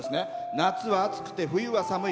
夏は暑くて冬は寒い。